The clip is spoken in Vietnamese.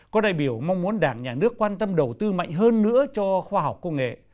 có đại biểu mong muốn đảng nhà nước quan tâm đầu tư mạnh hơn nữa cho khoa học công nghệ